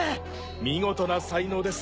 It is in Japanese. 見事な才能です。